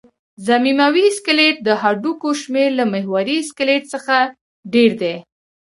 ضمیموي سکلېټ د هډوکو شمېر له محوري سکلېټ څخه ډېر دی.